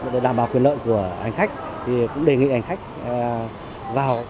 để đảm bảo quyền lợi của ảnh khách thì cũng đề nghị ảnh khách vào